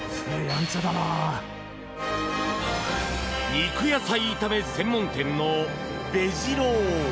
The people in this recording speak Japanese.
肉野菜炒め専門店のベジ郎。